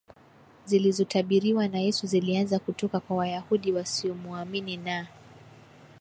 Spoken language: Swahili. zilizotabiriwa na Yesu zilianza kutoka kwa Wayahudi wasiomuamini na